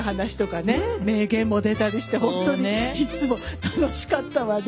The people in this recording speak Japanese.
名言も出たりして本当にいつも楽しかったわね。